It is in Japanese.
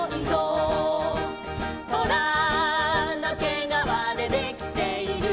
「とらのけがわでできている」